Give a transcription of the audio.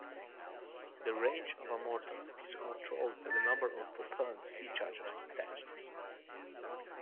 The range of a mortar is controlled by the number of propellant "C-charges" attached.